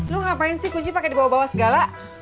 lo ngapain sih kunci pake di bawah bawah segala